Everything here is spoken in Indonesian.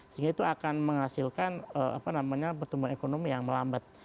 sehingga itu akan menghasilkan pertumbuhan ekonomi yang melambat